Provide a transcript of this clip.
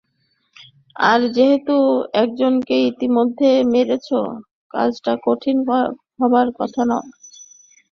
আর যেহেতু একজনকে ইতোমধ্যে মেরেছ, কাজটা কঠিন হবার কথা না।